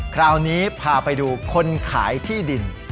คราวนี้พาไปดูคนขายที่ดิน